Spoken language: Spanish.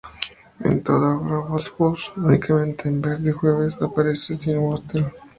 En toda la obra de Wodehouse únicamente una vez Jeeves aparece sin Wooster.